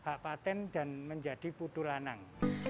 akhirnya diperkenalkan dan jadi putulanang